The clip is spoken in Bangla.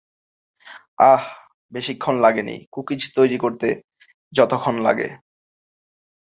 আহ, - বেশিক্ষণ লাগেনি কুকিজ তৈরী করতে যতক্ষণ লাগে!